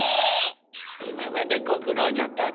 いままでごくろうじゃったのぉ。